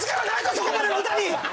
そこまでの歌に！